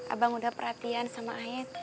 abang udah perhatian sama ayah